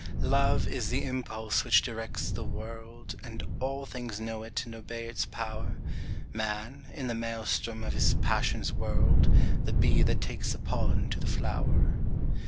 Love is the impulse which directs the world, And all things know it and obey its power. Man, in the maelstrom of his passions whirled; The bee that takes the pollen to the flower.